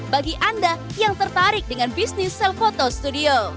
bagi anda yang tertarik dengan bisnis self photo studio